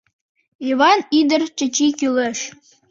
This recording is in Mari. Йыван ӱдыр Чачий кӱлеш.